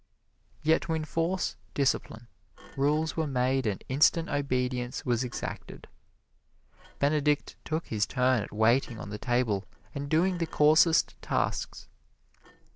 Yet to enforce discipline, rules were made and instant obedience was exacted. Benedict took his turn at waiting on the table and doing the coarsest tasks.